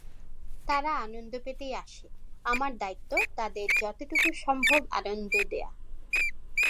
তাঁরা আনন্দ পেতেই আসে, আমার দায়িত্ব তাঁদের যতটুকু সম্ভব আনন্দ দেওয়া।